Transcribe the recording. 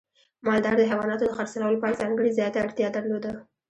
مالدار د حیواناتو د خرڅلاو لپاره ځانګړي ځای ته اړتیا درلوده.